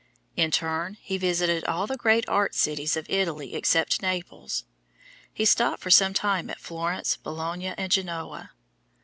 In turn he visited all the great art cities of Italy except Naples. He stopped for some time at Florence, Bologna, and Genoa.